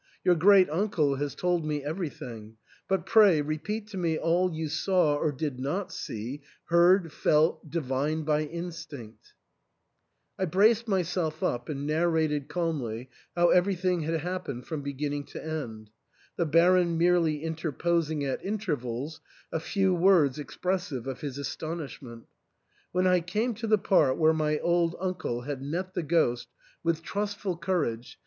Your great uncle has told me everything ; but, pray, repeat to me all you saw, or did not see, heard, felt, divined by instinct" I braced myself up and narrated calmly how every thing had happened from beginning to end, the Baron merely interposing at intervals a few words expressive of his astonishment When I came to the part where my old uncle had met the ghost with trustful courage THE ENTAIL.